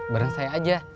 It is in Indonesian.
bareng saya aja